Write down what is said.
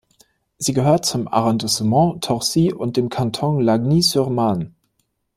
Sie gehört zum Arrondissement Torcy und dem Kanton Lagny-sur-Marne.